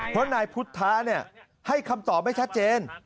เพราะนายพุทธะให้คำตอบไม่ชัดเจน